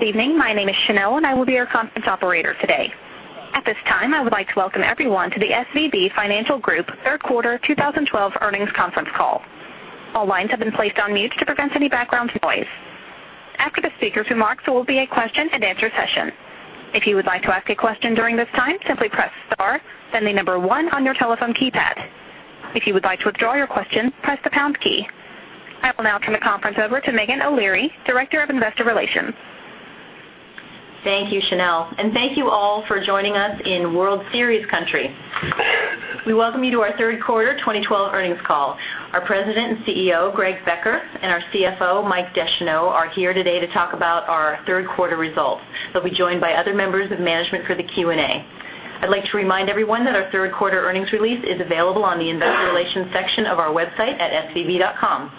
Good evening. My name is Chanel, and I will be your conference operator today. At this time, I would like to welcome everyone to the SVB Financial Group Third Quarter 2012 earnings conference call. All lines have been placed on mute to prevent any background noise. After the speakers' remarks, there will be a question and answer session. If you would like to ask a question during this time, simply press star, then number 1 on your telephone keypad. If you would like to withdraw your question, press the pound key. I will now turn the conference over to Meghan O'Leary, Director of Investor Relations. Thank you, Chanel. Thank you all for joining us in World Series country. We welcome you to our third quarter 2012 earnings call. Our President and CEO, Greg Becker, and our CFO, Mike Descheneaux, are here today to talk about our third quarter results. They'll be joined by other members of management for the Q&A. I'd like to remind everyone that our third quarter earnings release is available on the investor relations section of our website at svb.com.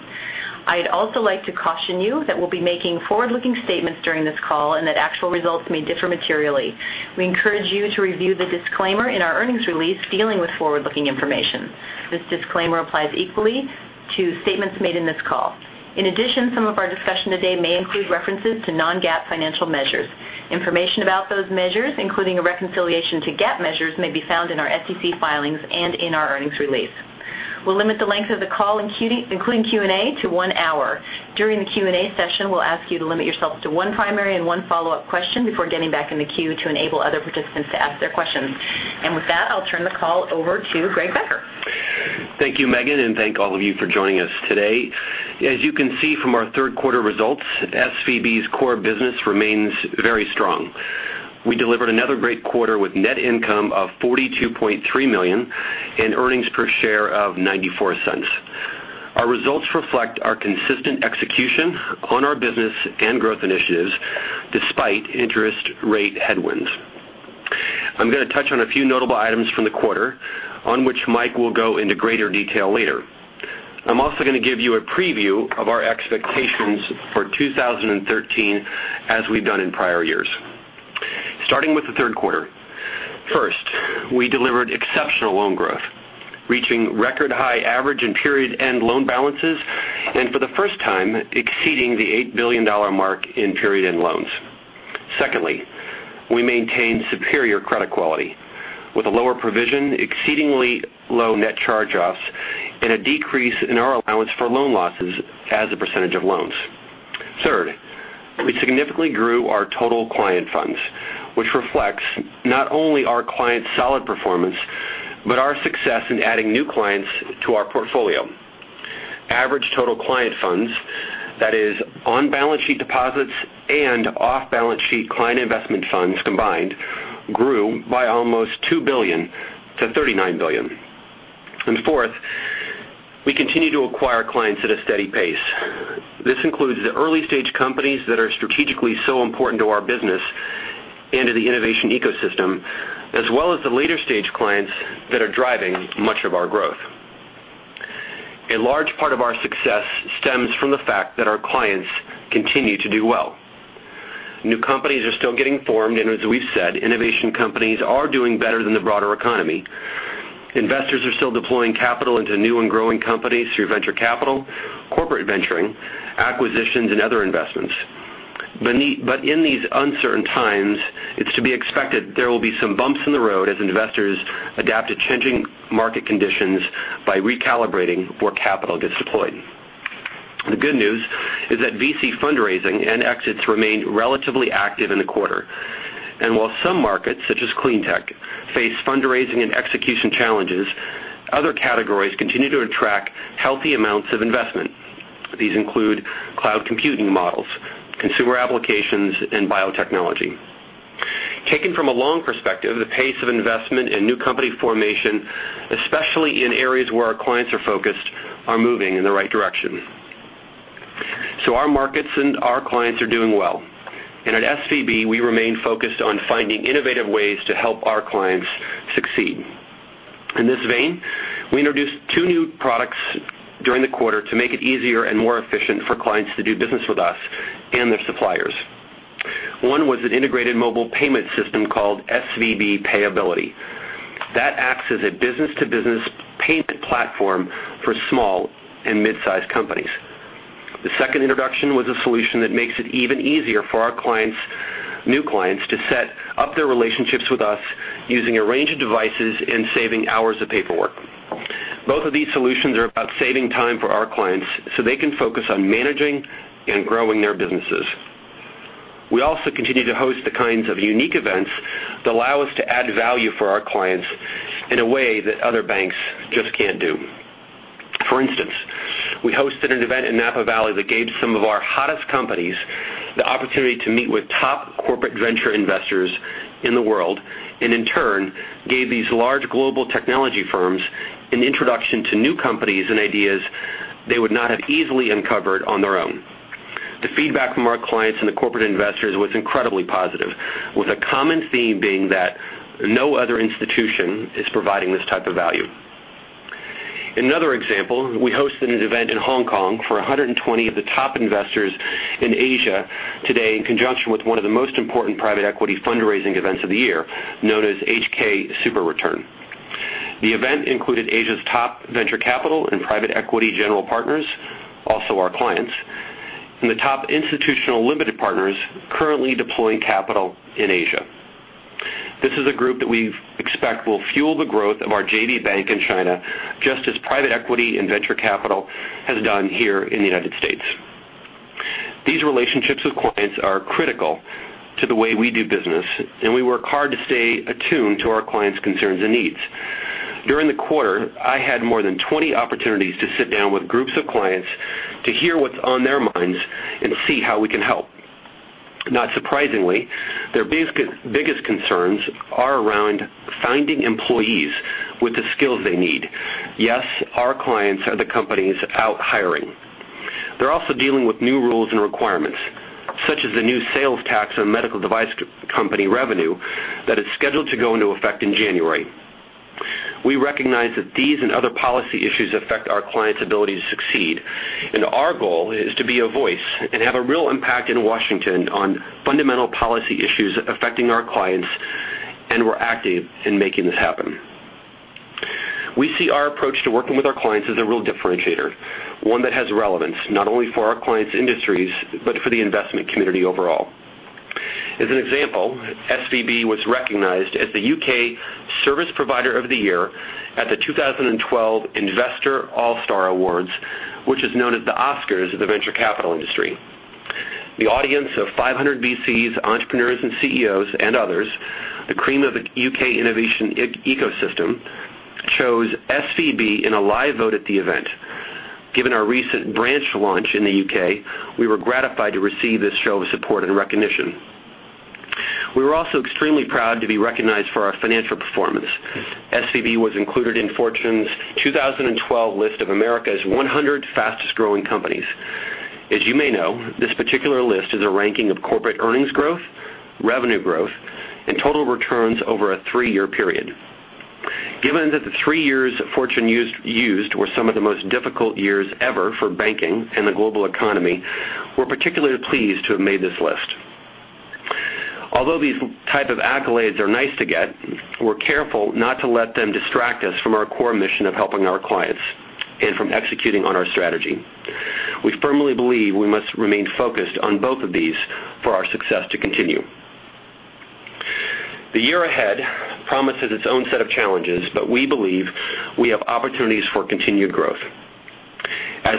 I'd also like to caution you that we'll be making forward-looking statements during this call and that actual results may differ materially. We encourage you to review the disclaimer in our earnings release dealing with forward-looking information. This disclaimer applies equally to statements made in this call. In addition, some of our discussion today may include references to non-GAAP financial measures. Information about those measures, including a reconciliation to GAAP measures, may be found in our SEC filings and in our earnings release. We'll limit the length of the call including Q&A to one hour. During the Q&A session, we'll ask you to limit yourself to one primary and one follow-up question before getting back in the queue to enable other participants to ask their questions. With that, I'll turn the call over to Greg Becker. Thank you, Meghan. Thank all of you for joining us today. As you can see from our third quarter results, SVB's core business remains very strong. We delivered another great quarter with net income of $42.3 million and earnings per share of $0.94. Our results reflect our consistent execution on our business and growth initiatives despite interest rate headwinds. I'm going to touch on a few notable items from the quarter, on which Mike will go into greater detail later. I'm also going to give you a preview of our expectations for 2013, as we've done in prior years. Starting with the third quarter. First, we delivered exceptional loan growth, reaching record-high average and period end loan balances, and for the first time, exceeding the $8 billion mark in period end loans. Secondly, we maintained superior credit quality with a lower provision, exceedingly low net charge-offs, and a decrease in our allowance for loan losses as a percentage of loans. Third, we significantly grew our total client funds, which reflects not only our clients' solid performance but our success in adding new clients to our portfolio. Average total client funds, that is on-balance sheet deposits and off-balance sheet client investment funds combined, grew by almost $2 billion to $39 billion. Fourth, we continue to acquire clients at a steady pace. This includes the early-stage companies that are strategically so important to our business and to the innovation ecosystem, as well as the later-stage clients that are driving much of our growth. A large part of our success stems from the fact that our clients continue to do well. New companies are still getting formed. As we've said, innovation companies are doing better than the broader economy. Investors are still deploying capital into new and growing companies through venture capital, corporate venturing, acquisitions, and other investments. In these uncertain times, it's to be expected there will be some bumps in the road as investors adapt to changing market conditions by recalibrating where capital gets deployed. The good news is that VC fundraising and exits remained relatively active in the quarter. While some markets, such as clean tech, face fundraising and execution challenges, other categories continue to attract healthy amounts of investment. These include cloud computing models, consumer applications, and biotechnology. Taken from a long perspective, the pace of investment in new company formation, especially in areas where our clients are focused, are moving in the right direction. Our markets and our clients are doing well. At SVB, we remain focused on finding innovative ways to help our clients succeed. In this vein, we introduced two new products during the quarter to make it easier and more efficient for clients to do business with us and their suppliers. One was an integrated mobile payment system called SVB PayAbility. That acts as a business-to-business payment platform for small and mid-size companies. The second introduction was a solution that makes it even easier for our new clients to set up their relationships with us using a range of devices and saving hours of paperwork. Both of these solutions are about saving time for our clients so they can focus on managing and growing their businesses. We also continue to host the kinds of unique events that allow us to add value for our clients in a way that other banks just can't do. For instance, we hosted an event in Napa Valley that gave some of our hottest companies the opportunity to meet with top corporate venture investors in the world, and in turn, gave these large global technology firms an introduction to new companies and ideas they would not have easily uncovered on their own. The feedback from our clients and the corporate investors was incredibly positive, with a common theme being that no other institution is providing this type of value. Another example, we hosted an event in Hong Kong for 120 of the top investors in Asia today in conjunction with one of the most important private equity fundraising events of the year, known as SuperReturn Asia. The event included Asia's top venture capital and private equity general partners, also our clients, and the top institutional limited partners currently deploying capital in Asia. This is a group that we expect will fuel the growth of our JV bank in China, just as private equity and venture capital has done here in the United States. These relationships with clients are critical to the way we do business, and we work hard to stay attuned to our clients' concerns and needs. During the quarter, I had more than 20 opportunities to sit down with groups of clients to hear what's on their minds and see how we can help. Not surprisingly, their biggest concerns are around finding employees with the skills they need. Yes, our clients are the companies out hiring. They're also dealing with new rules and requirements, such as the new sales tax on medical device company revenue that is scheduled to go into effect in January. We recognize that these and other policy issues affect our clients' ability to succeed. Our goal is to be a voice and have a real impact in Washington on fundamental policy issues affecting our clients. We're active in making this happen. We see our approach to working with our clients as a real differentiator, one that has relevance not only for our clients' industries but for the investment community overall. As an example, SVB was recognized as the U.K. Service Provider of the Year at the 2012 Investor All-Star Awards, which is known as the Oscars of the venture capital industry. The audience of 500 VCs, entrepreneurs, CEOs, and others, the cream of the U.K. innovation ecosystem, chose SVB in a live vote at the event. Given our recent branch launch in the U.K., we were gratified to receive this show of support and recognition. We were also extremely proud to be recognized for our financial performance. SVB was included in Fortune's 2012 list of America's 100 fastest-growing companies. As you may know, this particular list is a ranking of corporate earnings growth, revenue growth, and total returns over a three-year period. Given that the three years Fortune used were some of the most difficult years ever for banking and the global economy, we're particularly pleased to have made this list. These type of accolades are nice to get, we're careful not to let them distract us from our core mission of helping our clients and from executing on our strategy. We firmly believe we must remain focused on both of these for our success to continue. The year ahead promises its own set of challenges, we believe we have opportunities for continued growth.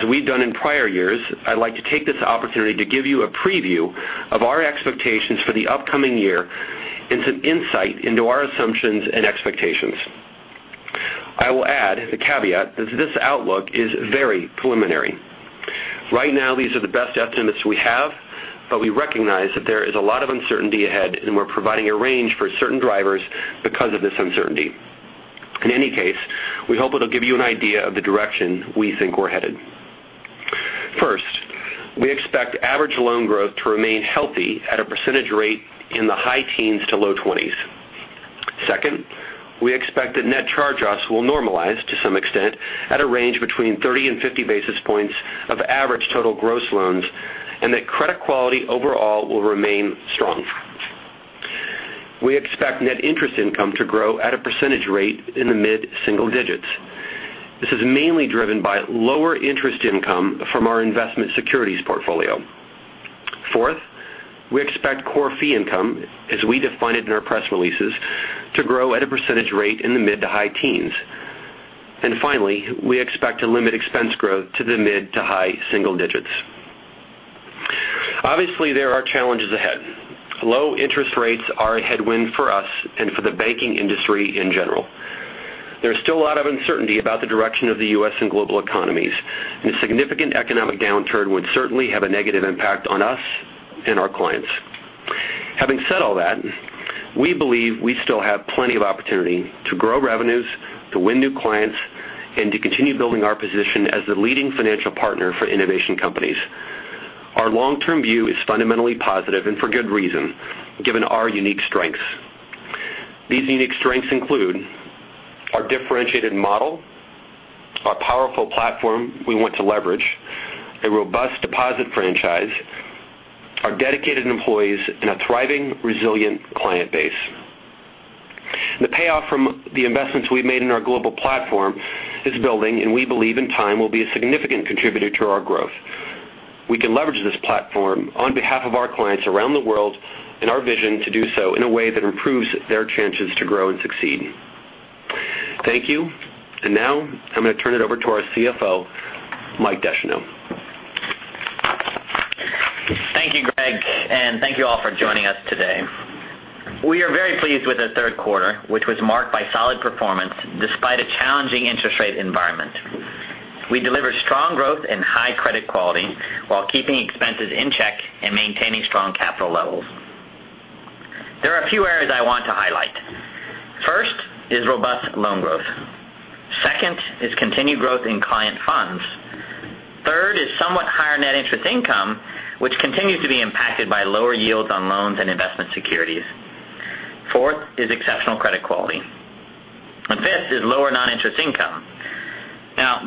We've done in prior years, I'd like to take this opportunity to give you a preview of our expectations for the upcoming year and some insight into our assumptions and expectations. I will add the caveat that this outlook is very preliminary. Right now, these are the best estimates we have. We recognize that there is a lot of uncertainty ahead. We're providing a range for certain drivers because of this uncertainty. We hope it'll give you an idea of the direction we think we're headed. First, we expect average loan growth to remain healthy at a percentage rate in the high teens to low twenties. We expect that net charge-offs will normalize to some extent at a range between 30 and 50 basis points of average total gross loans. That credit quality overall will remain strong. We expect net interest income to grow at a percentage rate in the mid-single digits. This is mainly driven by lower interest income from our investment securities portfolio. Fourth, we expect core fee income, as we define it in our press releases, to grow at a percentage rate in the mid to high teens. Finally, we expect to limit expense growth to the mid to high single digits. Obviously, there are challenges ahead. Low-interest rates are a headwind for us and for the banking industry in general. There's still a lot of uncertainty about the direction of the U.S. and global economies, and a significant economic downturn would certainly have a negative impact on us and our clients. Having said all that, we believe we still have plenty of opportunity to grow revenues, to win new clients, and to continue building our position as the leading financial partner for innovation companies. Our long-term view is fundamentally positive and for good reason, given our unique strengths. These unique strengths include our differentiated model, our powerful platform we want to leverage, a robust deposit franchise, our dedicated employees, and a thriving, resilient client base. The payoff from the investments we've made in our global platform is building, and we believe in time will be a significant contributor to our growth. We can leverage this platform on behalf of our clients around the world and our vision to do so in a way that improves their chances to grow and succeed. Thank you. Now I'm going to turn it over to our CFO, Mike Descheneaux. Thank you, Greg, and thank you all for joining us today. We are very pleased with the third quarter, which was marked by solid performance despite a challenging interest rate environment. We delivered strong growth and high credit quality while keeping expenses in check and maintaining strong capital levels. There are a few areas I want to highlight. First is robust loan growth. Second is continued growth in client funds. Third is somewhat higher net interest income, which continues to be impacted by lower yields on loans and investment securities. Fourth is exceptional credit quality. Fifth is lower non-interest income.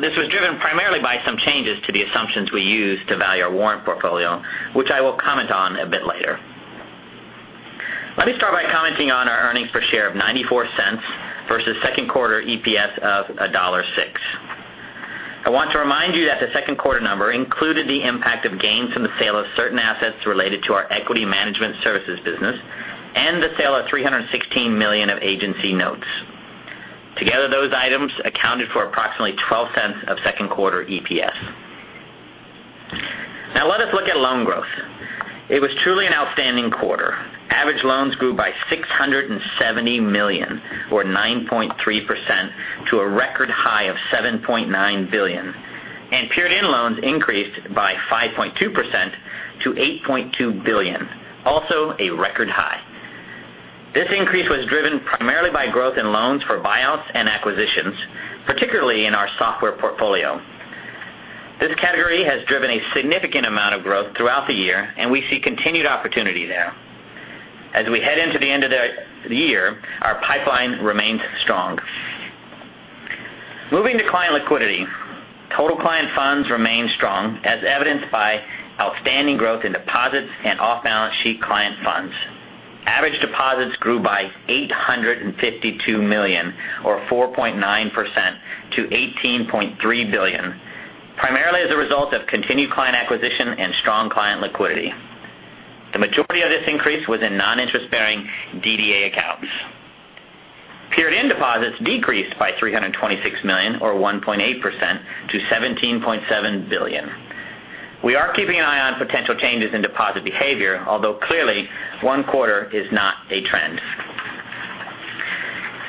This was driven primarily by some changes to the assumptions we used to value our warrant portfolio, which I will comment on a bit later. Let me start by commenting on our earnings per share of $0.94 versus second quarter EPS of $1.06. I want to remind you that the second quarter number included the impact of gains from the sale of certain assets related to our equity management services business and the sale of $316 million of agency notes. Together, those items accounted for approximately $0.12 of second quarter EPS. Let us look at loan growth. It was truly an outstanding quarter. Average loans grew by $670 million or 9.3% to a record high of $7.9 billion. Period end loans increased by 5.2% to $8.2 billion. Also a record high. This increase was driven primarily by growth in loans for buyouts and acquisitions, particularly in our software portfolio. This category has driven a significant amount of growth throughout the year, and we see continued opportunity there. As we head into the end of the year, our pipeline remains strong. Moving to client liquidity. Total client funds remain strong, as evidenced by outstanding growth in deposits and off-balance sheet client funds. Average deposits grew by $852 million or 4.9% to $18.3 billion, primarily as a result of continued client acquisition and strong client liquidity. The majority of this increase was in non-interest bearing DDA accounts. Period end deposits decreased by $326 million or 1.8% to $17.7 billion. We are keeping an eye on potential changes in deposit behavior, although clearly one quarter is not a trend.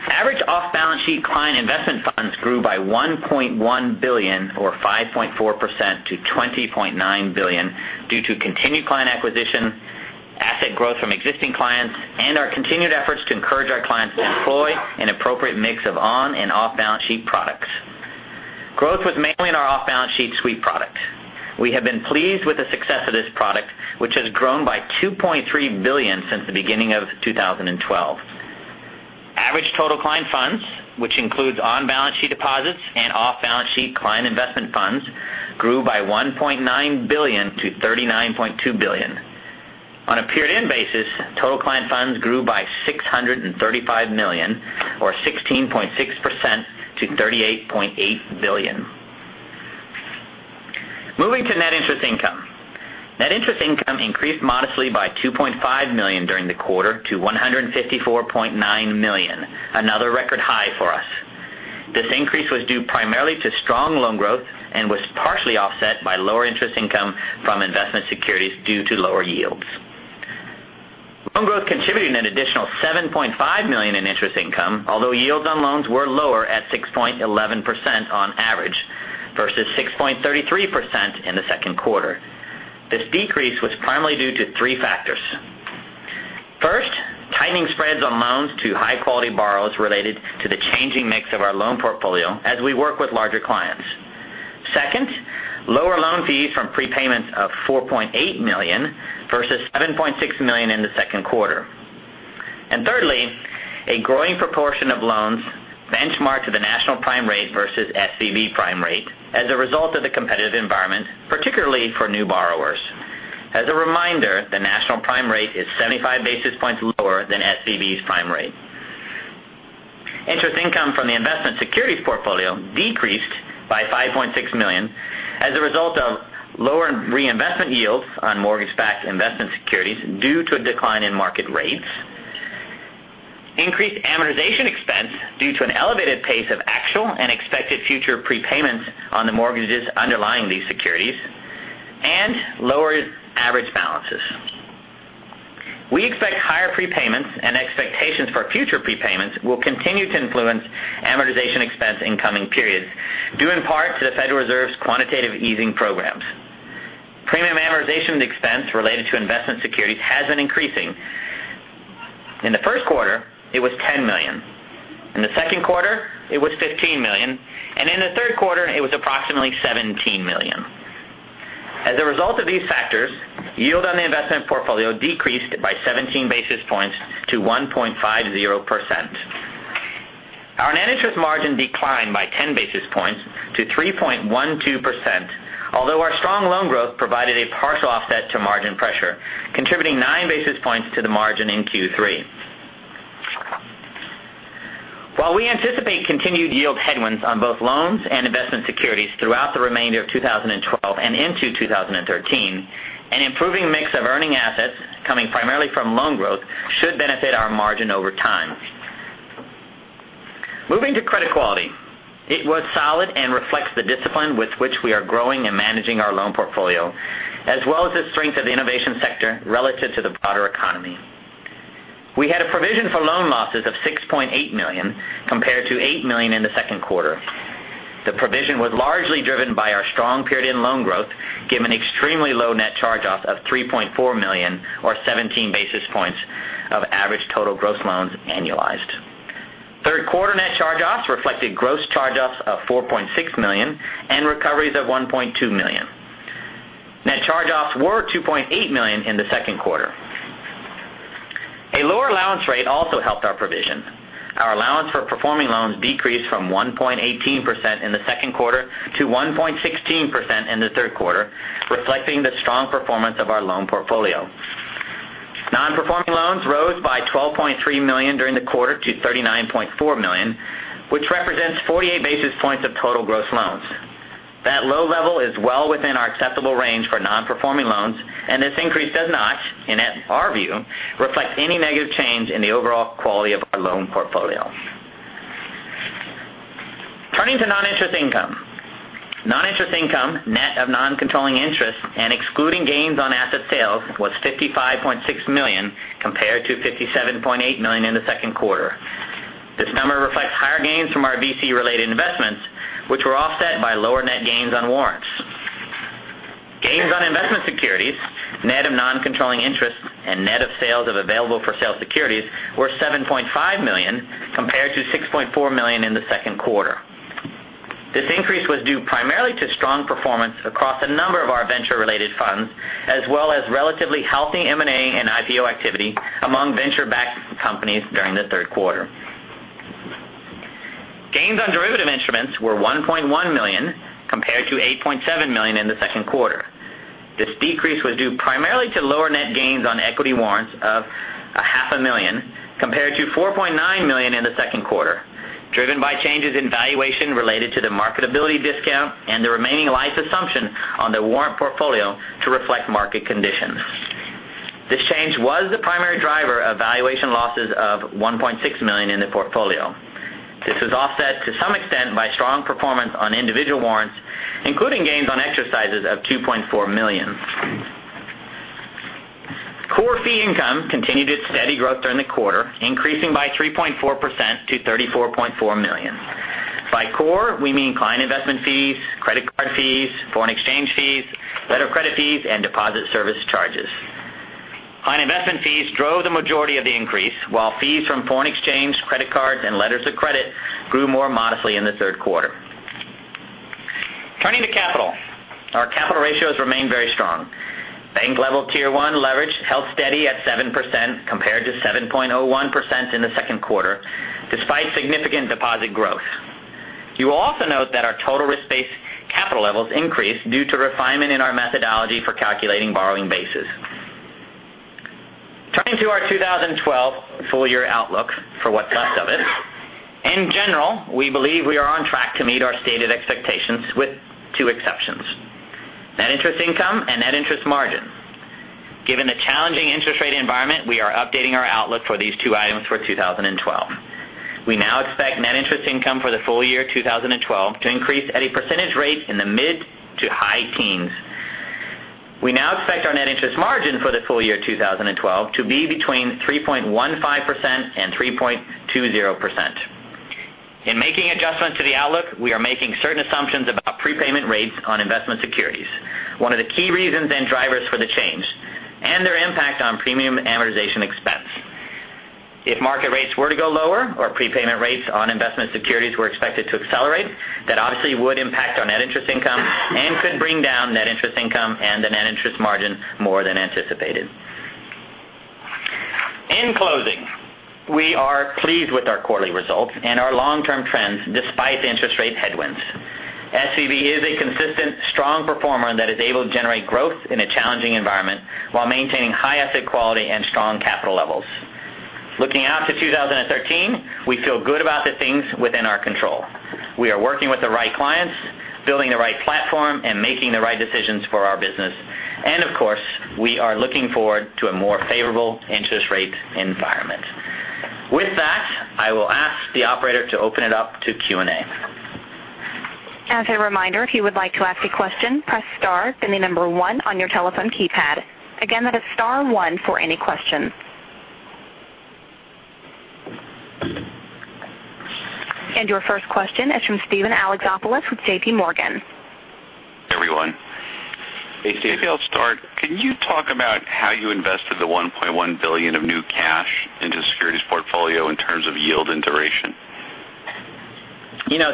Average off-balance sheet client investment funds grew by $1.1 billion or 5.4% to $20.9 billion due to continued client acquisition, asset growth from existing clients, and our continued efforts to encourage our clients to employ an appropriate mix of on and off-balance sheet products. Growth was mainly in our off-balance sheet sweep product. We have been pleased with the success of this product, which has grown by $2.3 billion since the beginning of 2012. Average total client funds, which includes on-balance sheet deposits and off-balance sheet client investment funds, grew by $1.9 billion to $39.2 billion. On a period end basis, total client funds grew by $635 million or 16.6% to $38.8 billion. Moving to net interest income. Net interest income increased modestly by $2.5 million during the quarter to $154.9 million, another record high for us. This increase was due primarily to strong loan growth and was partially offset by lower interest income from investment securities due to lower yields. Loan growth contributed an additional $7.5 million in interest income, although yields on loans were lower at 6.11% on average versus 6.33% in the second quarter. This decrease was primarily due to three factors. First, tightening spreads on loans to high-quality borrowers related to the changing mix of our loan portfolio as we work with larger clients. Second, lower loan fees from prepayments of $4.8 million versus $7.6 million in the second quarter. Thirdly, a growing proportion of loans benchmarked to the national prime rate versus SVB prime rate as a result of the competitive environment, particularly for new borrowers. As a reminder, the national prime rate is 75 basis points lower than SVB's prime rate. Interest income from the investment securities portfolio decreased by $5.6 million as a result of lower reinvestment yields on mortgage-backed investment securities due to a decline in market rates, increased amortization expense due to an elevated pace of actual and expected future prepayments on the mortgages underlying these securities, and lower average balances. We expect higher prepayments and expectations for future prepayments will continue to influence amortization expense in coming periods, due in part to the Federal Reserve's quantitative easing programs. Premium amortization expense related to investment securities has been increasing. In the first quarter, it was $10 million. In the second quarter, it was $15 million. In the third quarter, it was approximately $17 million. As a result of these factors, yield on the investment portfolio decreased by 17 basis points to 1.50%. Our net interest margin declined by 10 basis points to 3.12%, although our strong loan growth provided a partial offset to margin pressure, contributing nine basis points to the margin in Q3. While we anticipate continued yield headwinds on both loans and investment securities throughout the remainder of 2012 and into 2013, an improving mix of earning assets coming primarily from loan growth should benefit our margin over time. Moving to credit quality. It was solid and reflects the discipline with which we are growing and managing our loan portfolio, as well as the strength of the innovation sector relative to the broader economy. We had a provision for loan losses of $6.8 million, compared to $8 million in the second quarter. The provision was largely driven by our strong period end loan growth, given extremely low net charge off of $3.4 million or 17 basis points of average total gross loans annualized. Third quarter net charge offs reflected gross charge offs of $4.6 million and recoveries of $1.2 million. Net charge offs were $2.8 million in the second quarter. A lower rate also helped our provisions. Our allowance for performing loans decreased from 1.18% in the second quarter to 1.16% in the third quarter, reflecting the strong performance of our loan portfolio. Non-performing loans rose by $12.3 million during the quarter to $39.4 million, which represents 48 basis points of total gross loans. That low level is well within our acceptable range for non-performing loans, and this increase does not, in our view, reflect any negative change in the overall quality of our loan portfolio. Turning to non-interest income. Non-interest income, net of non-controlling interest, and excluding gains on asset sales, was $55.6 million compared to $57.8 million in the second quarter. This number reflects higher gains from our VC-related investments, which were offset by lower net gains on warrants. Gains on investment securities, net of non-controlling interest and net of sales of available for sale securities, were $7.5 million compared to $6.4 million in the second quarter. This increase was due primarily to strong performance across a number of our venture-related funds, as well as relatively healthy M&A and IPO activity among venture-backed companies during the third quarter. Gains on derivative instruments were $1.1 million, compared to $8.7 million in the second quarter. This decrease was due primarily to lower net gains on equity warrants of a half a million, compared to $4.9 million in the second quarter, driven by changes in valuation related to the marketability discount and the remaining life assumption on the warrant portfolio to reflect market conditions. This change was the primary driver of valuation losses of $1.6 million in the portfolio. This was offset to some extent by strong performance on individual warrants, including gains on exercises of $2.4 million. Core fee income continued its steady growth during the quarter, increasing by 3.4% to $34.4 million. By core, we mean client investment fees, credit card fees, foreign exchange fees, letter of credit fees, and deposit service charges. Client investment fees drove the majority of the increase, while fees from foreign exchange, credit cards, and letters of credit grew more modestly in the third quarter. Turning to capital. Our capital ratios remain very strong. Bank level Tier 1 leverage held steady at 7%, compared to 7.01% in the second quarter, despite significant deposit growth. You will also note that our total risk-based capital levels increased due to refinement in our methodology for calculating borrowing bases. Turning to our 2012 full year outlook for what's left of it. In general, we believe we are on track to meet our stated expectations with two exceptions: net interest income and net interest margin. Given the challenging interest rate environment, we are updating our outlook for these two items for 2012. We now expect net interest income for the full year 2012 to increase at a percentage rate in the mid to high teens. We now expect our net interest margin for the full year 2012 to be between 3.15% and 3.20%. In making adjustments to the outlook, we are making certain assumptions about prepayment rates on investment securities, one of the key reasons and drivers for the change, and their impact on premium amortization expense. If market rates were to go lower or prepayment rates on investment securities were expected to accelerate, that obviously would impact our net interest income and could bring down net interest income and the net interest margin more than anticipated. In closing, we are pleased with our quarterly results and our long-term trends, despite the interest rate headwinds. SVB is a consistent, strong performer that is able to generate growth in a challenging environment while maintaining high asset quality and strong capital levels. Looking out to 2013, we feel good about the things within our control. We are working with the right clients, building the right platform, and making the right decisions for our business. Of course, we are looking forward to a more favorable interest rate environment. With that, I will ask the operator to open it up to Q&A. As a reminder, if you would like to ask a question, press star, then the number 1 on your telephone keypad. Again, that is star 1 for any questions. Your first question is from Steven Alexopoulos with JPMorgan. Everyone. Hey, Steven. Maybe I'll start. Can you talk about how you invested the $1.1 billion of new cash into the securities portfolio in terms of yield and duration?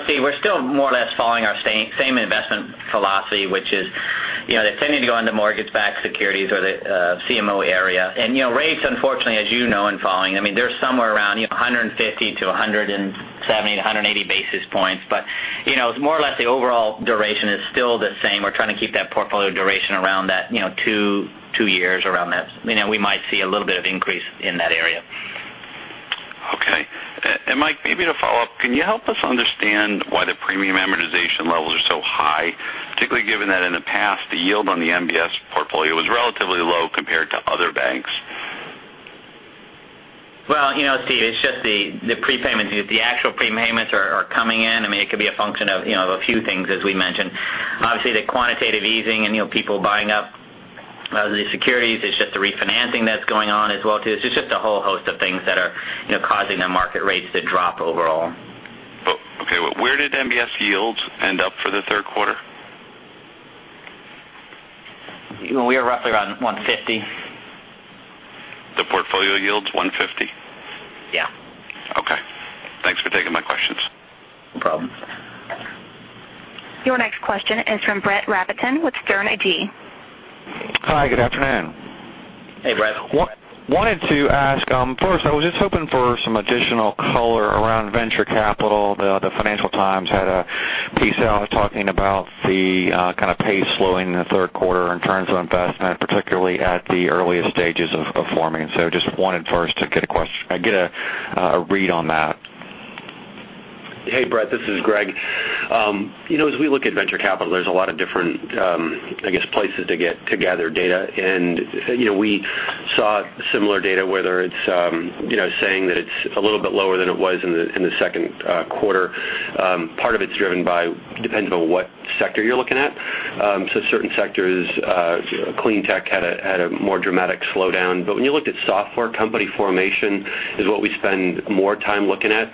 Steve, we're still more or less following our same investment philosophy, which is, they're tending to go into mortgage-backed securities or the CMO area. Rates, unfortunately, as you know, are falling. They're somewhere around 150 to 170 to 180 basis points. It's more or less the overall duration is still the same. We're trying to keep that portfolio duration around that two years around that. We might see a little bit of increase in that area. Okay. Mike, maybe to follow up, can you help us understand why the premium amortization levels are so high, particularly given that in the past, the yield on the MBS portfolio was relatively low compared to other banks? Well, Steve, it's just the prepayments. The actual prepayments are coming in. It could be a function of a few things, as we mentioned. Obviously, the quantitative easing and people buying up the securities. It's just the refinancing that's going on as well, too. It's just a whole host of things that are causing the market rates to drop overall. Okay. Where did MBS yields end up for the third quarter? We are roughly around 150. The portfolio yields, 150? Yeah. Your next question is from Brett Rabatin with Sterne Agee. Hi, good afternoon. Hey, Brett. Wanted to ask, first, I was just hoping for some additional color around venture capital. The Financial Times had a piece out talking about the kind of pace slowing in the third quarter in terms of investment, particularly at the earliest stages of forming. Just wanted first to get a read on that. Hey, Brett, this is Greg. As we look at venture capital, there's a lot of different places to gather data. We saw similar data, whether it's saying that it's a little bit lower than it was in the second quarter. Part of it's driven by, depends on what sector you're looking at. Certain sectors, clean tech had a more dramatic slowdown. When you looked at software company formation, is what we spend more time looking at.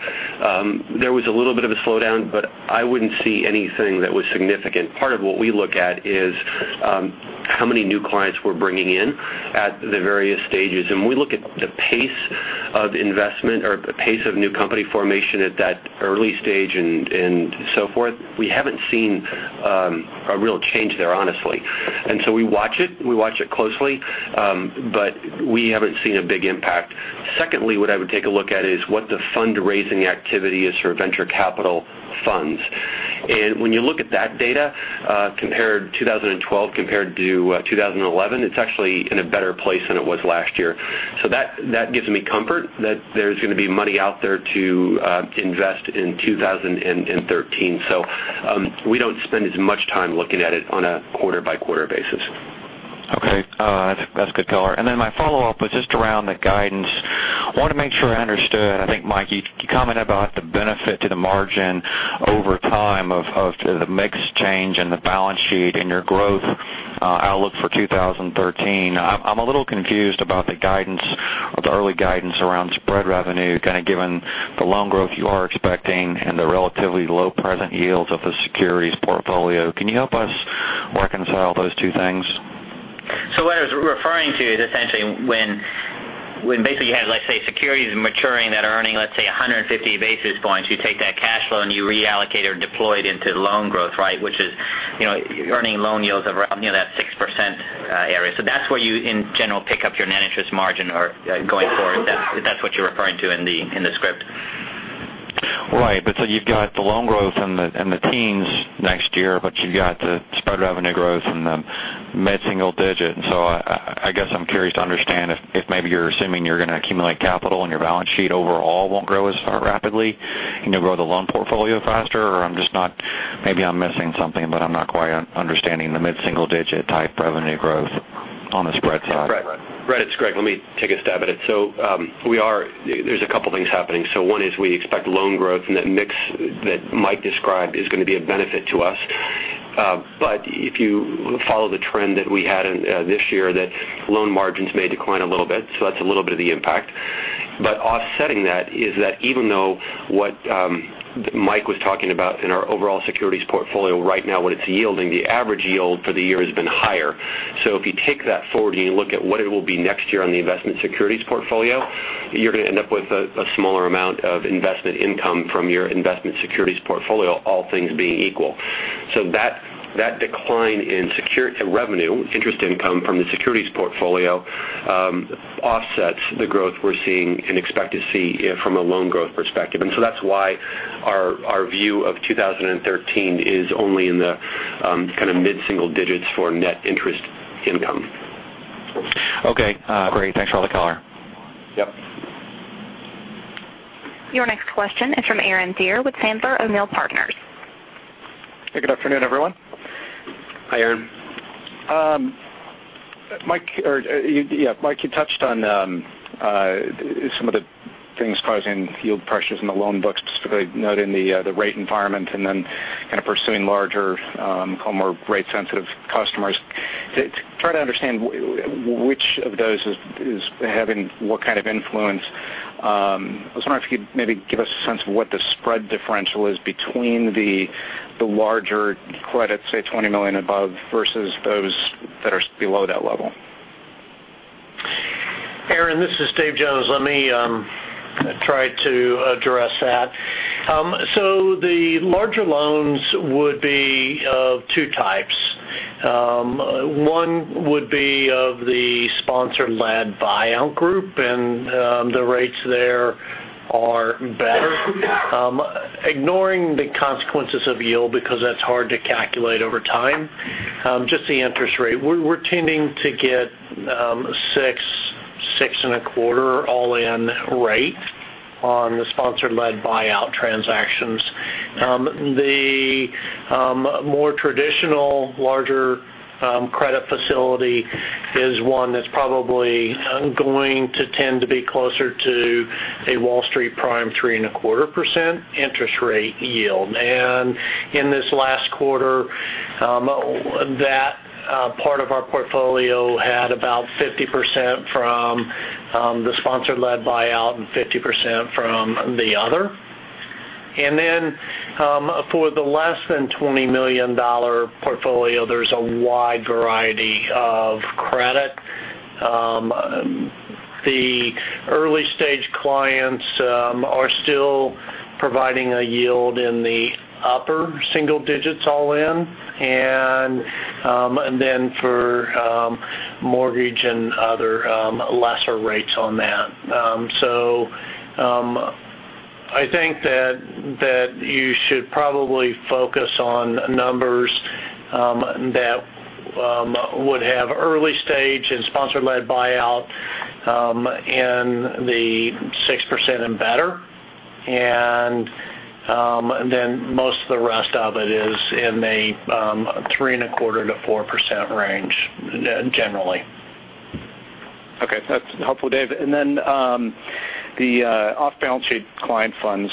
There was a little bit of a slowdown, but I wouldn't see anything that was significant. Part of what we look at is how many new clients we're bringing in at the various stages, and we look at the pace of investment or the pace of new company formation at that early stage and so forth. We haven't seen a real change there, honestly. We watch it closely. We haven't seen a big impact. Secondly, what I would take a look at is what the fundraising activity is for venture capital funds. When you look at that data, 2012 compared to 2011, it's actually in a better place than it was last year. That gives me comfort that there's going to be money out there to invest in 2013. We don't spend as much time looking at it on a quarter-by-quarter basis. Okay. That's good color. My follow-up was just around the guidance. I want to make sure I understood. I think, Mike, you commented about the benefit to the margin over time of the mix change and the balance sheet and your growth outlook for 2013. I'm a little confused about the early guidance around spread revenue, kind of given the loan growth you are expecting and the relatively low present yields of the securities portfolio. Can you help us reconcile those two things? What I was referring to is essentially when basically you have, let's say, securities maturing that are earning, let's say, 150 basis points. You take that cash flow, you reallocate or deploy it into loan growth, which is earning loan yields of around that 6% area. That's where you, in general, pick up your net interest margin or going forward. That's what you're referring to in the script. Right. You've got the loan growth in the teens next year, but you've got the spread revenue growth in the mid-single digit. I guess I'm curious to understand if maybe you're assuming you're going to accumulate capital and your balance sheet overall won't grow as rapidly, and you'll grow the loan portfolio faster, or maybe I'm missing something, but I'm not quite understanding the mid-single digit type revenue growth on the spread side. Brett, it's Greg. Let me take a stab at it. There's a couple things happening. One is we expect loan growth and that mix that Mike described is going to be a benefit to us. If you follow the trend that we had in this year, that loan margins may decline a little bit. That's a little bit of the impact. Offsetting that is that even though what Mike was talking about in our overall securities portfolio right now, what it's yielding, the average yield for the year has been higher. If you take that forward and you look at what it will be next year on the investment securities portfolio, you're going to end up with a smaller amount of investment income from your investment securities portfolio, all things being equal. That decline in revenue, interest income from the securities portfolio, offsets the growth we're seeing and expect to see from a loan growth perspective. That's why our view of 2013 is only in the kind of mid-single digits for net interest income. Okay. Great. Thanks for all the color. Yep. Your next question is from Aaron Deer with Sandler O'Neill & Partners. Good afternoon, everyone. Hi, Aaron. Mike, you touched on some of the things causing yield pressures in the loan books, specifically noting the rate environment. Then kind of pursuing larger, more rate-sensitive customers. To try to understand which of those is having what kind of influence, I was wondering if you could maybe give us a sense of what the spread differential is between the larger credits, say $20 million above, versus those that are below that level. Aaron, this is Dave Jones. Let me try to address that. The larger loans would be of 2 types. One would be of the sponsor-led buyout group. The rates there are better. Ignoring the consequences of yield because that's hard to calculate over time, just the interest rate. We're tending to get 6.25% all-in rate on the sponsor-led buyout transactions. The more traditional larger credit facility is one that's probably going to tend to be closer to a Wall Street Prime 3.25% interest rate yield. In this last quarter, that part of our portfolio had about 50% from the sponsor-led buyout and 50% from the other. For the less than $20 million portfolio, there's a wide variety The early-stage clients are still providing a yield in the upper single digits all in. For mortgage and other, lesser rates on that. I think that you should probably focus on numbers that would have early stage and sponsor-led buyout in the 6% and better. Most of the rest of it is in a 3.25%-4% range, generally. Okay. That's helpful, Dave. The off-balance sheet client funds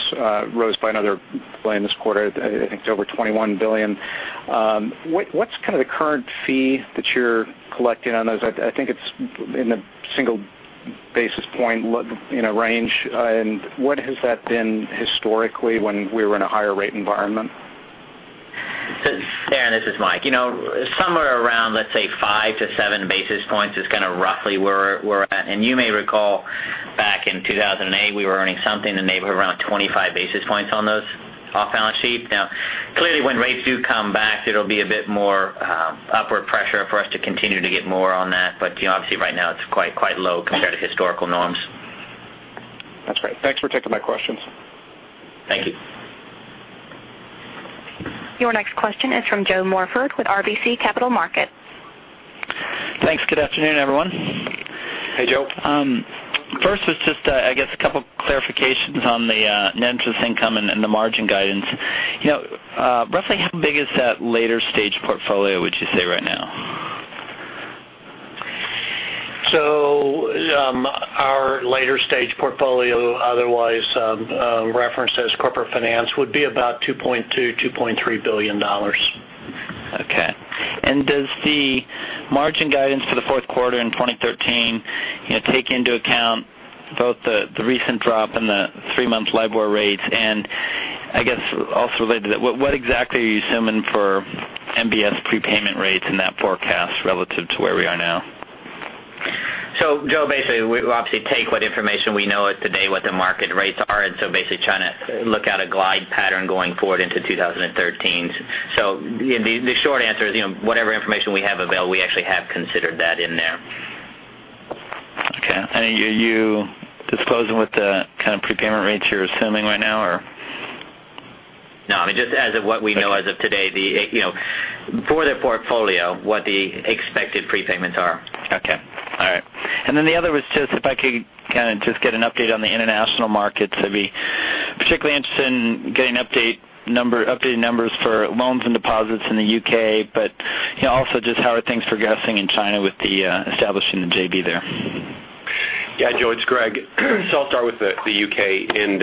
rose by another $1 billion this quarter. I think it's over $21 billion. What's the current fee that you're collecting on those? I think it's in the single basis point range. What has that been historically when we were in a higher rate environment? Aaron, this is Mike. Somewhere around, let's say, five to seven basis points is kind of roughly where we're at. You may recall back in 2008, we were earning something in the neighborhood around 25 basis points on those off-balance sheet. Clearly when rates do come back, it'll be a bit more upward pressure for us to continue to get more on that. Obviously right now it's quite low compared to historical norms. That's great. Thanks for taking my questions. Thank you. Your next question is from Joe Morford with RBC Capital Markets. Thanks. Good afternoon, everyone. Hey, Joe. Was just, I guess, a couple clarifications on the net interest income and the margin guidance. Roughly how big is that later stage portfolio, would you say, right now? Our later stage portfolio, otherwise referenced as corporate finance, would be about $2.2 billion, $2.3 billion. Okay. Does the margin guidance for the fourth quarter in 2013 take into account both the recent drop in the three-month LIBOR rates and I guess also related to that, what exactly are you assuming for MBS prepayment rates in that forecast relative to where we are now? Joe, basically we obviously take what information we know today, what the market rates are, basically trying to look at a glide pattern going forward into 2013. The short answer is, whatever information we have available, we actually have considered that in there. Okay. Are you disclosing what the kind of prepayment rates you're assuming right now? No. Just as of what we know as of today. For the portfolio, what the expected prepayments are. Okay. All right. The other was just if I could kind of just get an update on the international markets. I'd be particularly interested in getting updated numbers for loans and deposits in the U.K., but also just how are things progressing in China with establishing the JV there? Yeah, Joe, it's Greg. I'll start with the U.K. and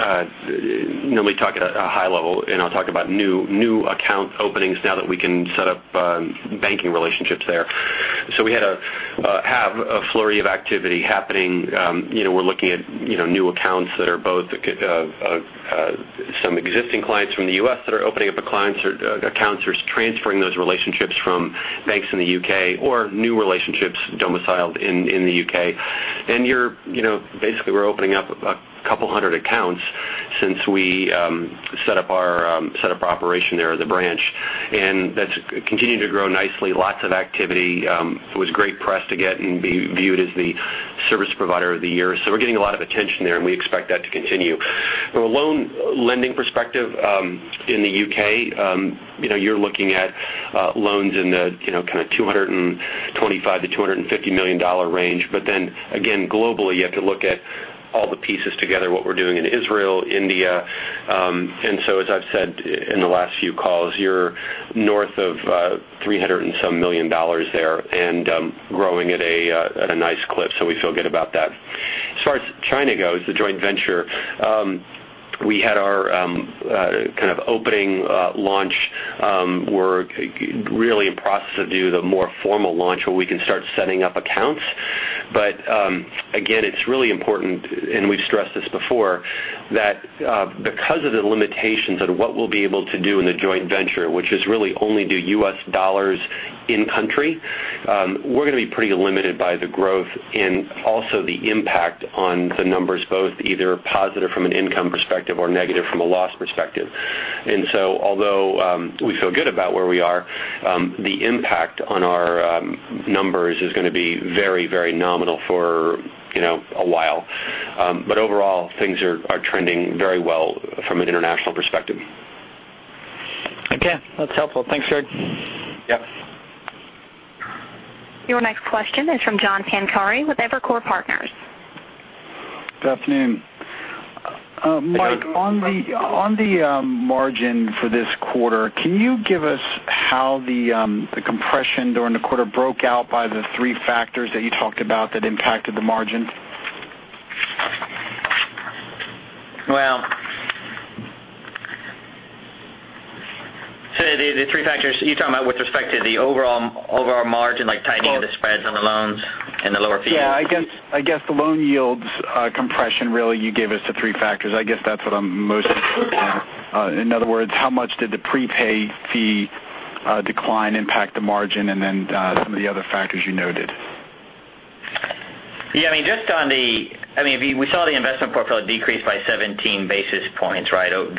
normally talk at a high level, and I'll talk about new account openings now that we can set up banking relationships there. We have a flurry of activity happening. We're looking at new accounts that are both some existing clients from the U.S. that are opening up accounts or transferring those relationships from banks in the U.K. or new relationships domiciled in the U.K. We're opening up a couple hundred accounts since we set up our operation there, the branch. That's continued to grow nicely. Lots of activity. It was great press to get and be viewed as the service provider of the year. We're getting a lot of attention there, and we expect that to continue. From a loan lending perspective in the U.K., you're looking at loans in the $225 to $250 million range. Again, globally, you have to look at all the pieces together, what we're doing in Israel, India. As I've said in the last few calls, you're north of $300 and some million dollars there and growing at a nice clip. We feel good about that. As far as China goes, the joint venture, we had our kind of opening launch. We're really in process of doing the more formal launch where we can start setting up accounts. Again, it's really important, and we've stressed this before, that because of the limitations on what we'll be able to do in the joint venture, which is really only do U.S. dollars in country, we're going to be pretty limited by the growth and also the impact on the numbers, both either positive from an income perspective or negative from a loss perspective. Although we feel good about where we are, the impact on our numbers is going to be very nominal for a while. Overall, things are trending very well from an international perspective. Okay. That's helpful. Thanks, Greg. Yep. Your next question is from John Pancari with Evercore Partners. Good afternoon. Hey, John. Mike, on the margin for this quarter, can you give us how the compression during the quarter broke out by the three factors that you talked about that impacted the margin? Well, the three factors you're talking about with respect to the overall margin, like tightening of the spreads on the loans and the lower fees? Yeah. I guess the loan yields compression, really, you gave us the three factors. I guess that's what I'm most interested in. In other words, how much did the prepay fee Decline impact the margin, and then some of the other factors you noted. Yeah. We saw the investment portfolio decrease by 17 basis points,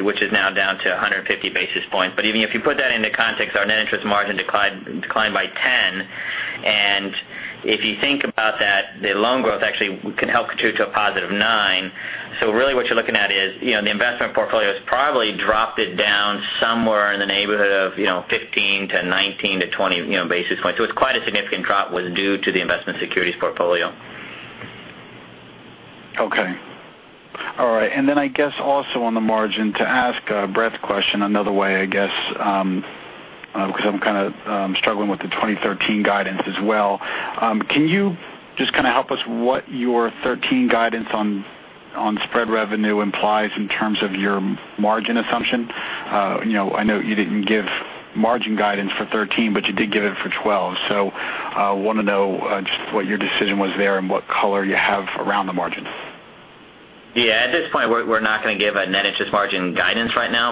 which is now down to 150 basis points. Even if you put that into context, our net interest margin declined by 10. If you think about that, the loan growth actually can help contribute to a positive nine. Really what you're looking at is, the investment portfolio has probably dropped it down somewhere in the neighborhood of 15 to 19 to 20 basis points. It's quite a significant drop was due to the investment securities portfolio. Okay. All right. I guess also on the margin, to ask a Brett's question another way, I guess, because I'm kind of struggling with the 2013 guidance as well. Can you just kind of help us what your 2013 guidance on spread revenue implies in terms of your margin assumption? I know you didn't give margin guidance for 2013, you did give it for 2012. I want to know just what your decision was there and what color you have around the margin. Yeah. At this point, we're not going to give a net interest margin guidance right now.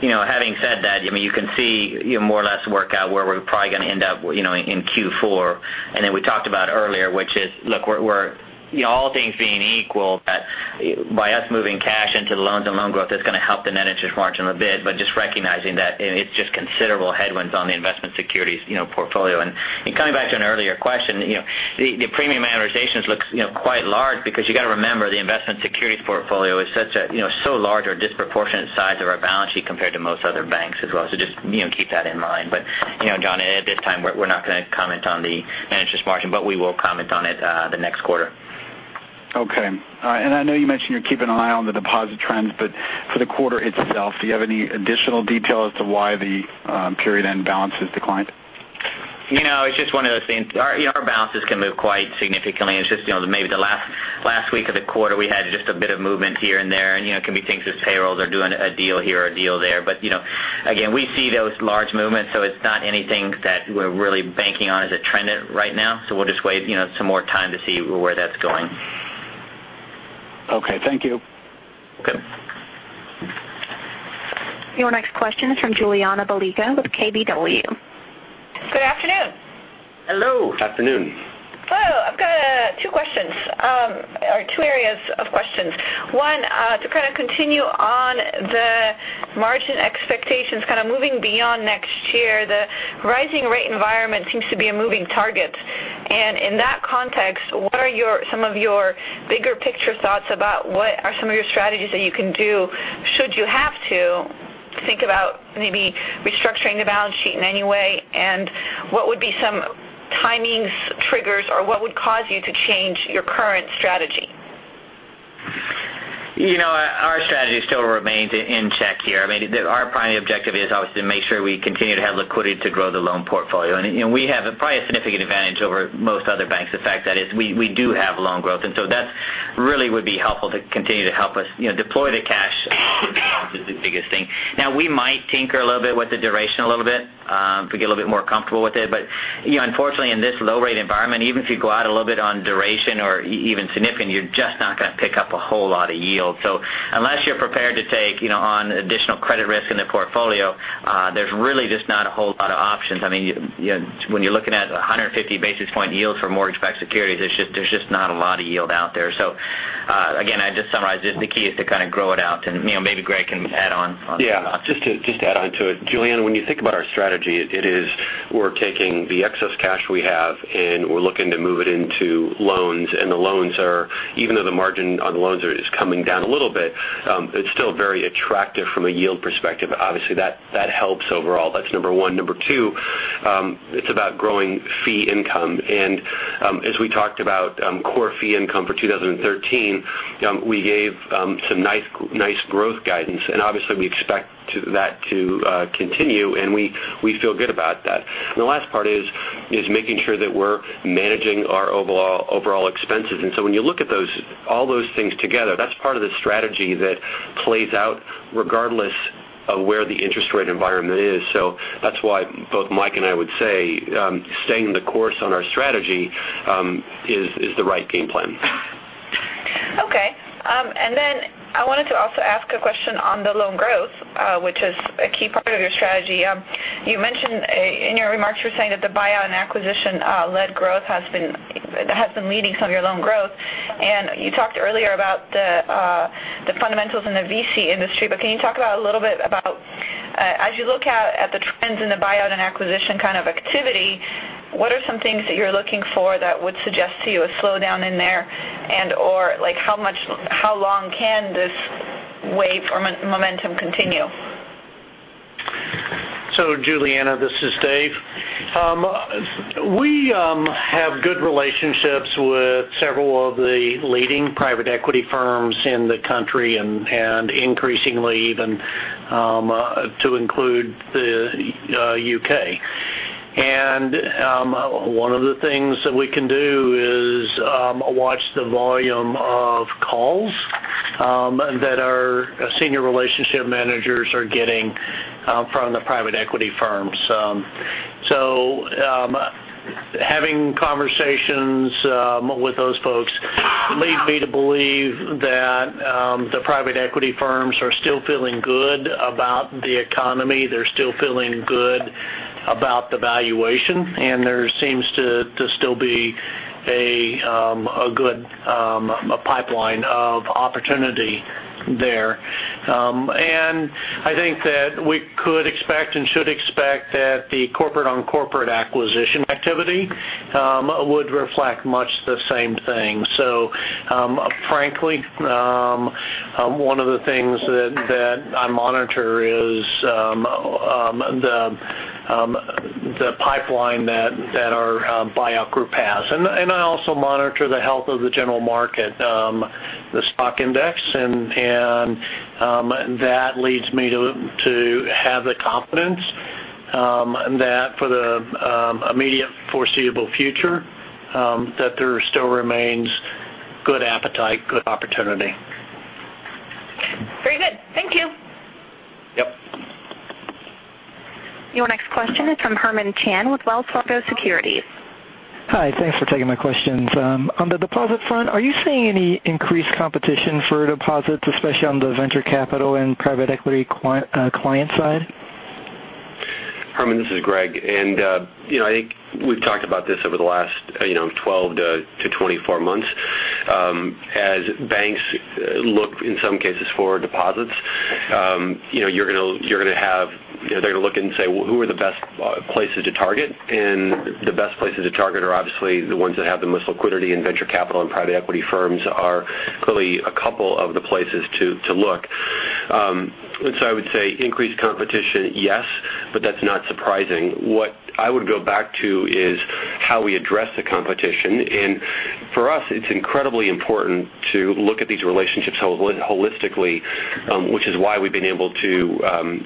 Having said that, you can see more or less work out where we're probably going to end up in Q4. Then we talked about earlier, which is, look, all things being equal, that by us moving cash into the loans and loan growth, it's going to help the net interest margin a bit, but just recognizing that it's just considerable headwinds on the investment securities portfolio. Coming back to an earlier question, the premium amortization looks quite large because you got to remember, the investment securities portfolio is so large or a disproportionate size of our balance sheet compared to most other banks as well. Just keep that in mind. John, at this time, we're not going to comment on the net interest margin, but we will comment on it the next quarter. Okay. All right, I know you mentioned you're keeping an eye on the deposit trends, for the quarter itself, do you have any additional detail as to why the period-end balances declined? It's just one of those things. Our balances can move quite significantly. It's just maybe the last week of the quarter, we had just a bit of movement here and there, it can be things with payrolls or doing a deal here or a deal there. Again, we see those large movements, it's not anything that we're really banking on as a trend right now. We'll just wait some more time to see where that's going. Okay. Thank you. Okay. Your next question is from Julianna Balicka with KBW. Good afternoon. Hello. Afternoon. Hello. I've got two questions, or two areas of questions. One, to kind of continue on the margin expectations, kind of moving beyond next year, the rising rate environment seems to be a moving target. In that context, what are some of your bigger picture thoughts about what are some of your strategies that you can do should you have to think about maybe restructuring the balance sheet in any way? What would be some timings, triggers, or what would cause you to change your current strategy? Our strategy still remains in check here. Our primary objective is obviously to make sure we continue to have liquidity to grow the loan portfolio. We have probably a significant advantage over most other banks, the fact that is we do have loan growth. That really would be helpful to continue to help us deploy the cash is the biggest thing. Now, we might tinker a little bit with the duration a little bit if we get a little bit more comfortable with it. Unfortunately, in this low rate environment, even if you go out a little bit on duration or even significant, you're just not going to pick up a whole lot of yield. Unless you're prepared to take on additional credit risk in the portfolio, there's really just not a whole lot of options. When you're looking at 150 basis point yield for mortgage-backed securities, there's just not a lot of yield out there. Again, I just summarize it, the key is to kind of grow it out, and maybe Greg can add on. Just to add on to it, Julianna, when you think about our strategy, it is we're taking the excess cash we have, and we're looking to move it into loans. The loans are, even though the margin on loans is coming down a little bit, it's still very attractive from a yield perspective. Obviously, that helps overall. That's number 1. Number 2, it's about growing fee income. As we talked about core fee income for 2013, we gave some nice growth guidance. Obviously, we expect that to continue, and we feel good about that. The last part is making sure that we're managing our overall expenses. When you look at all those things together, that's part of the strategy that plays out regardless of where the interest rate environment is. That's why both Mike and I would say staying the course on our strategy is the right game plan. I wanted to also ask a question on the loan growth, which is a key part of your strategy. You mentioned in your remarks, you were saying that the buyout and acquisition-led growth has been leading some of your loan growth. You talked earlier about the fundamentals in the VC industry. Can you talk a little bit about, as you look at the trends in the buyout and acquisition kind of activity, what are some things that you're looking for that would suggest to you a slowdown in there, and/or how long can this wave or momentum continue? Julianna, this is Dave. We have good relationships with several of the leading private equity firms in the country and increasingly even to include the U.K. One of the things that we can do is watch the volume of calls that our senior relationship managers are getting from the private equity firms. Having conversations with those folks leads me to believe that the private equity firms are still feeling good about the economy. They're still feeling good about the valuation, there seems to still be a good pipeline of opportunity there. I think that we could expect and should expect that the corporate on corporate acquisition activity would reflect much the same thing. Frankly, one of the things that I monitor is the pipeline that our buyout group has. I also monitor the health of the general market, the stock index, and that leads me to have the confidence that for the immediate foreseeable future, that there still remains good appetite, good opportunity. Very good. Thank you. Yep. Your next question is from Herman Chan with Wells Fargo Securities. Hi. Thanks for taking my questions. On the deposit front, are you seeing any increased competition for deposits, especially on the venture capital and private equity client side? Herman, this is Greg. I think we've talked about this over the last 12 to 24 months. As banks look, in some cases, for deposits, they're going to look and say, "Well, who are the best places to target?" The best places to target are obviously the ones that have the most liquidity, and venture capital and private equity firms are clearly a couple of the places to look. I would say increased competition, yes, but that's not surprising. What I would go back to is how we address the competition. For us, it's incredibly important to look at these relationships holistically, which is why we've been able to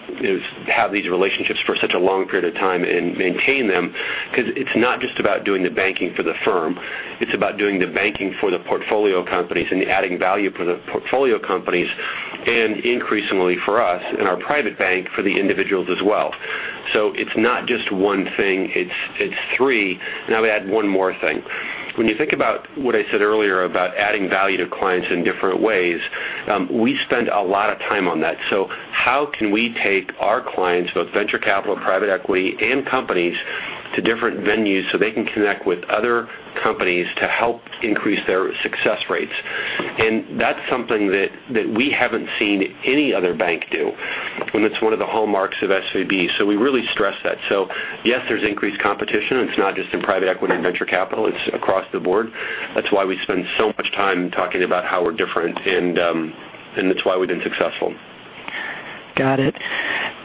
have these relationships for such a long period of time and maintain them, because it's not just about doing the banking for the firm. It's about doing the banking for the portfolio companies and adding value for the portfolio companies, and increasingly for us in our private bank, for the individuals as well. It's not just one thing, it's three. I'll add one more thing. When you think about what I said earlier about adding value to clients in different ways, we spend a lot of time on that. How can we take our clients, both venture capital, private equity, and companies, to different venues so they can connect with other companies to help increase their success rates? That's something that we haven't seen any other bank do, and it's one of the hallmarks of SVB. We really stress that. Yes, there's increased competition. It's not just in private equity and venture capital, it's across the board. That's why we spend so much time talking about how we're different, and that's why we've been successful. Got it.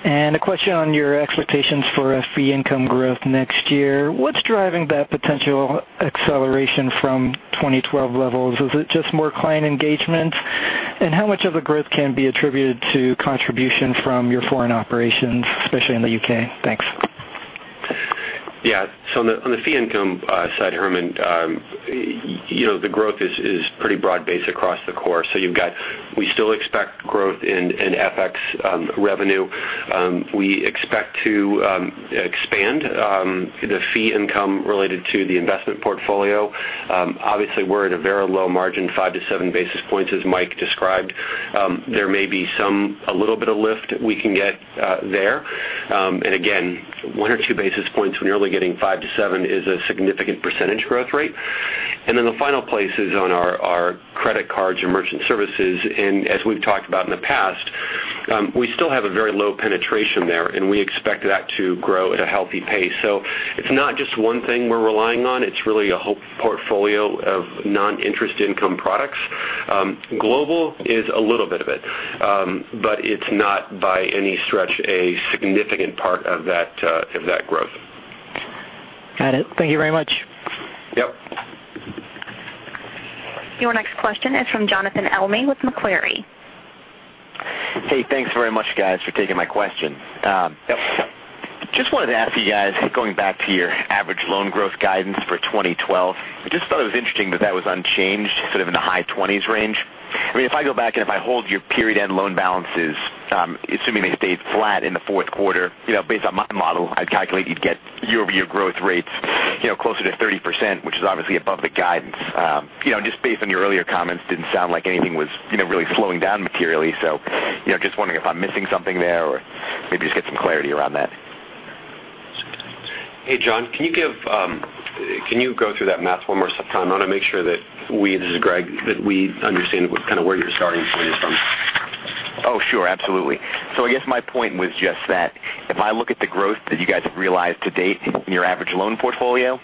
A question on your expectations for fee income growth next year. What's driving that potential acceleration from 2012 levels? Is it just more client engagement? How much of the growth can be attributed to contribution from your foreign operations, especially in the U.K.? Thanks. Yeah. On the fee income side, Herman, the growth is pretty broad-based across the core. We still expect growth in FX revenue. We expect to expand the fee income related to the investment portfolio. Obviously, we're at a very low margin, five to seven basis points, as Mike described. There may be a little bit of lift we can get there. Again, one or two basis points when you're only getting five to seven is a significant percentage growth rate. Then the final place is on our credit cards and merchant services. As we've talked about in the past, we still have a very low penetration there, and we expect that to grow at a healthy pace. It's not just one thing we're relying on. It's really a whole portfolio of non-interest income products. Global is a little bit of it, It's not by any stretch a significant part of that growth. Got it. Thank you very much. Yep. Your next question is from Jonathan Elme with Macquarie. Hey, thanks very much, guys, for taking my question. Yep. Just wanted to ask you guys, going back to your average loan growth guidance for 2012, I just thought it was interesting that that was unchanged, sort of in the high 20s range. If I go back and if I hold your period-end loan balances, assuming they stayed flat in the fourth quarter, based on my model, I'd calculate you'd get year-over-year growth rates closer to 30%, which is obviously above the guidance. Just based on your earlier comments, didn't sound like anything was really slowing down materially. Just wondering if I'm missing something there, or maybe just get some clarity around that. Hey, Jon. Can you go through that math one more time? I want to make sure, this is Greg, that we understand kind of where you're starting from. Oh, sure. Absolutely. I guess my point was just that if I look at the growth that you guys have realized to date in your average loan portfolio,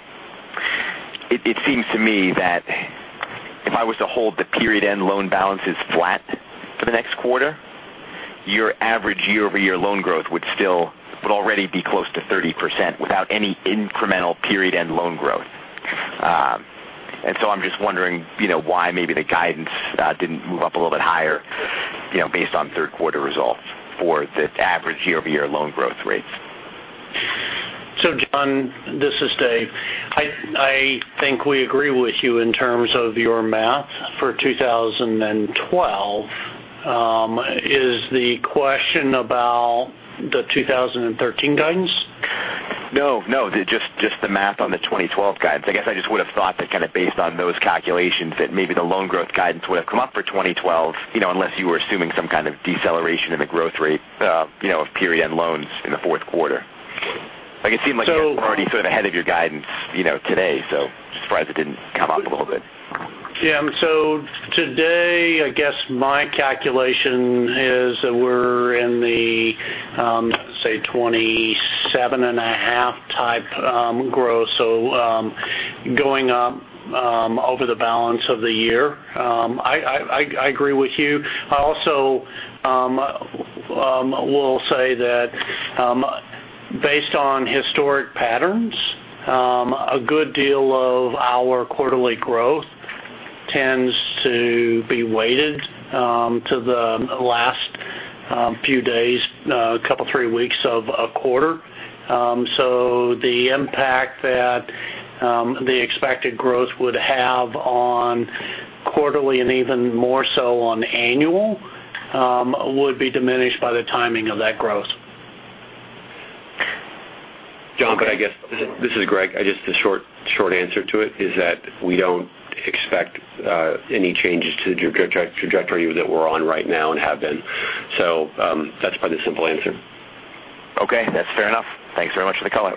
it seems to me that if I was to hold the period-end loan balances flat for the next quarter, your average year-over-year loan growth would already be close to 30% without any incremental period-end loan growth. I'm just wondering why maybe the guidance didn't move up a little bit higher based on third quarter results for the average year-over-year loan growth rates. Jon, this is Dave. I think we agree with you in terms of your math for 2012. Is the question about the 2013 guidance? No. Just the math on the 2012 guides. I guess I just would've thought that kind of based on those calculations, that maybe the loan growth guidance would have come up for 2012, unless you were assuming some kind of deceleration in the growth rate of period loans in the fourth quarter. Like it seemed like you were already sort of ahead of your guidance today. Just surprised it didn't come up a little bit. Yeah. Today, I guess my calculation is that we're in the, say, 27.5 type growth. Going up over the balance of the year. I agree with you. I also will say that based on historic patterns, a good deal of our quarterly growth tends to be weighted to the last few days, couple, three weeks of a quarter. The impact that the expected growth would have on quarterly and even more so on annual, would be diminished by the timing of that growth. Jon, I guess- This is Greg. The short answer to it is that we don't expect any changes to the trajectory that we're on right now and have been. That's probably the simple answer. Okay. That's fair enough. Thanks very much for the color.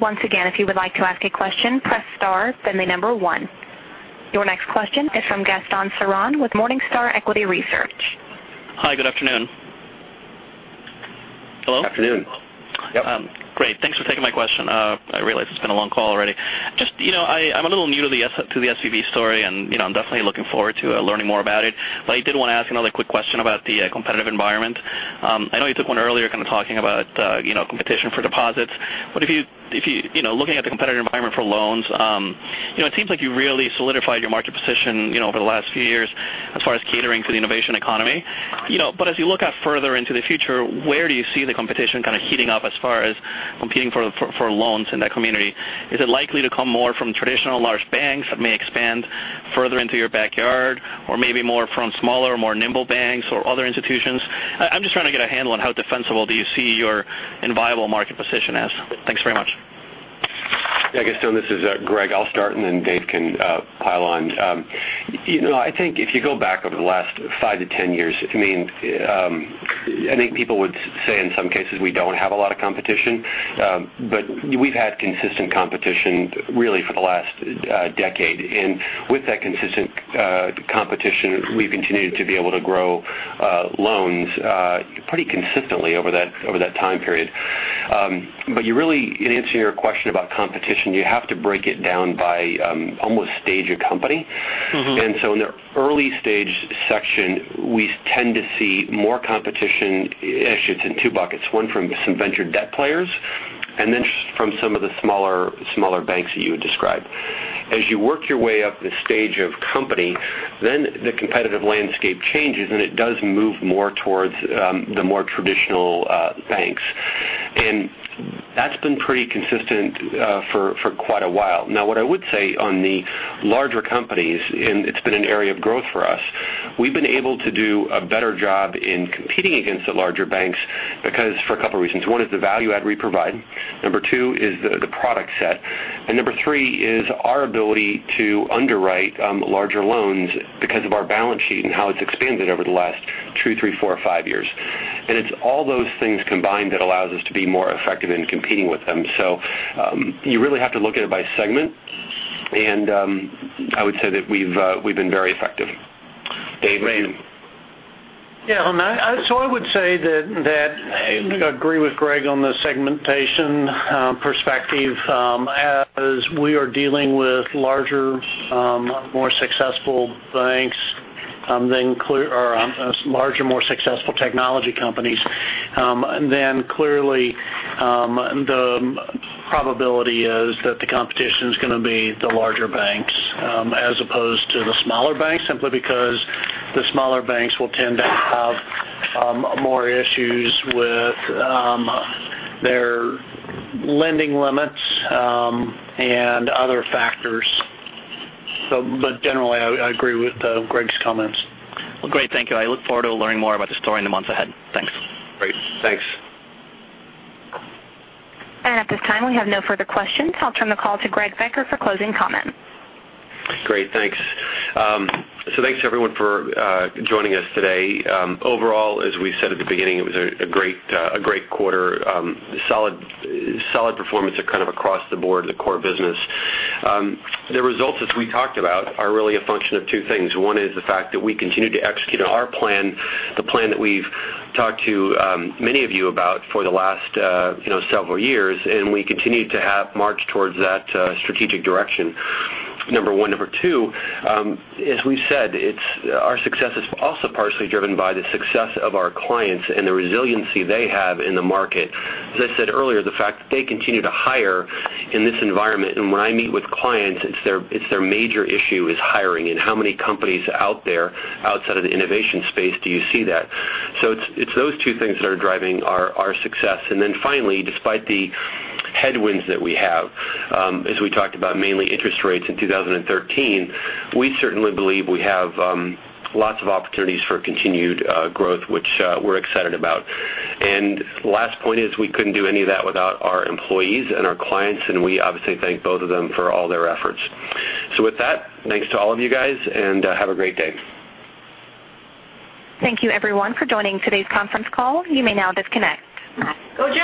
Once again, if you would like to ask a question, press star, then the number 1. Your next question is from Gaston F. Ceron with Morningstar Equity Research. Hi, good afternoon. Hello? Afternoon. Yep. Great. Thanks for taking my question. I realize it's been a long call already. Just, I'm a little new to the SVB story, and I'm definitely looking forward to learning more about it. I did want to ask another quick question about the competitive environment. I know you took one earlier kind of talking about competition for deposits. If you, looking at the competitive environment for loans, it seems like you really solidified your market position over the last few years as far as catering to the innovation economy. As you look out further into the future, where do you see the competition kind of heating up as far as competing for loans in that community? Is it likely to come more from traditional large banks that may expand further into your backyard, or maybe more from smaller, more nimble banks or other institutions? I'm just trying to get a handle on how defensible do you see your enviable market position as. Thanks very much. Yeah, Gaston, this is Greg. I'll start and then Dave can pile on. I think if you go back over the last five to 10 years, I think people would say in some cases we don't have a lot of competition. We've had consistent competition really for the last decade. With that consistent competition, we've continued to be able to grow loans pretty consistently over that time period. You really, in answering your question about competition, you have to break it down by almost stage of company. In the early stage section, we tend to see more competition. Actually, it's in two buckets. One from some venture debt players, and then from some of the smaller banks that you had described. As you work your way up the stage of company, then the competitive landscape changes and it does move more towards the more traditional banks. That's been pretty consistent for quite a while. Now, what I would say on the larger companies, and it's been an area of growth for us, we've been able to do a better job in competing against the larger banks because for a couple reasons. One is the value add we provide. Number two is the product set. Number three is our ability to underwrite larger loans because of our balance sheet and how it's expanded over the last two, three, four, or five years. It's all those things combined that allows us to be more effective in competing with them. You really have to look at it by segment. I would say that we've been very effective. Dave? I would say that I agree with Greg on the segmentation perspective. As we are dealing with larger, more successful technology companies, clearly the probability is that the competition's going to be the larger banks, as opposed to the smaller banks, simply because the smaller banks will tend to have more issues with their lending limits, and other factors. Generally, I agree with Greg's comments. Well, great. Thank you. I look forward to learning more about the story in the months ahead. Thanks. Great. Thanks. At this time, we have no further questions. I'll turn the call to Greg Becker for closing comments. Great, thanks. Thanks everyone for joining us today. Overall, as we said at the beginning, it was a great quarter. Solid performance kind of across the board, the core business. The results as we talked about are really a function of two things. One is the fact that we continue to execute on our plan, the plan that we've talked to many of you about for the last several years, and we continue to march towards that strategic direction. Number 1. Number 2, as we've said, our success is also partially driven by the success of our clients and the resiliency they have in the market. As I said earlier, the fact that they continue to hire in this environment, and when I meet with clients, it's their major issue is hiring and how many companies out there outside of the innovation space do you see that? It's those two things that are driving our success. Finally, despite the headwinds that we have, as we talked about mainly interest rates in 2013, we certainly believe we have lots of opportunities for continued growth, which we're excited about. Last point is, we couldn't do any of that without our employees and our clients, and we obviously thank both of them for all their efforts. With that, thanks to all of you guys, and have a great day. Thank you everyone for joining today's conference call. You may now disconnect. Go Giants